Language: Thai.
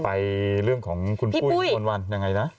ไปเรื่องของคุณปุ้ยวิมวลวันยังไงนะ